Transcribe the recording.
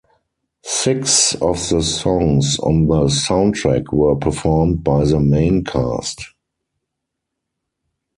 Six of the songs on the soundtrack were performed by the main cast.